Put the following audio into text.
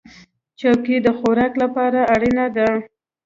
چوکۍ د خوراک لپاره اړینه ده.